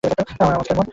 আমার আওয়াজ কেমন?